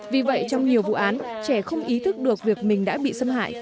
vì vậy trong nhiều vụ án trẻ không ý thức được việc mình đã bị xâm hại